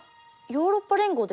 ヨーロッパ連合ですか？